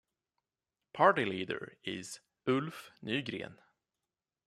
Party leader is Ulf Nygren.